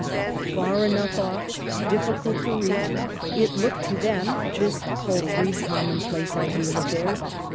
Far enough off, difficult to reach, it looked to them, this paltry common place ideal of theirs.